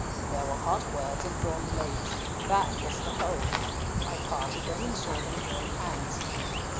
There were hot words and drawn blades. That was the whole. I parted them and saw them join hands."